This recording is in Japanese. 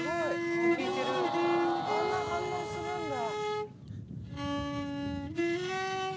あんな反応するんだ。